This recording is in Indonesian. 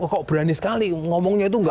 kok berani sekali ngomongnya itu enggak